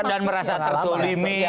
dan merasa tertulimi